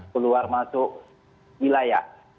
keluar masuk wilayah